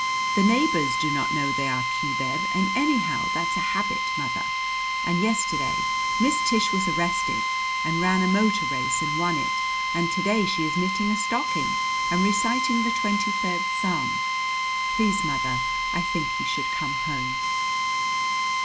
The neighbors do not know they are cubeb, and, anyhow, that's a habit, mother. And yesterday Miss Tish was arrested, and ran a motor race and won it, and to day she is knitting a stocking and reciting the Twenty third Psalm. Please, mother, I think you should come home.